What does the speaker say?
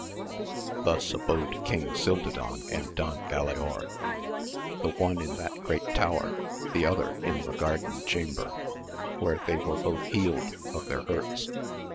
Thus abode King Cildadan and Don Galaor : the one in that great tower, the other in the garden chamber, where they were both healed of their hurts.